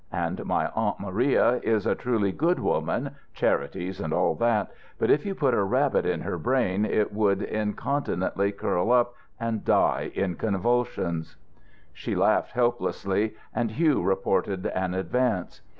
And my aunt Maria is a truly good woman charities and all that but if you put a rabbit in her brain it would incontinently curl up and die in convulsions." She laughed helplessly, and Hugh reported an advance.